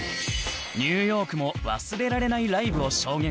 ニューヨークも忘れられないライブを証言してくれた